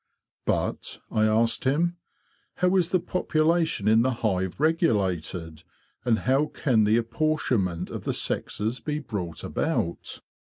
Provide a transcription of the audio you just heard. '* But," I asked him, '' how is the population in the hive regulated, and how can the apportionment of the sexes be brought about?